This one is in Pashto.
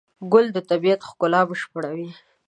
ګل د طبیعت ښکلا بشپړوي.